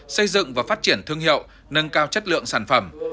xây dựng và phát triển thương hiệu nâng cao chất lượng sản phẩm